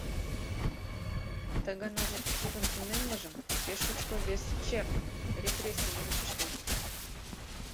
Ты ганаже тудын тунеммыжым пеш шучко вес «чер» — репрессий — лугыч ыштен.